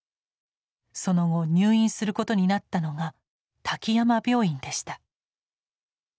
その後入院することになったのが滝山病院でした。